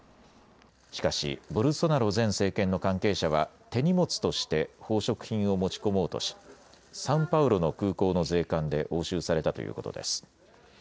しかしボルソナロ前政権の関係者は手荷物として宝飾品を持ち込もうとしサンパウロの空港の税関で押収されたということです。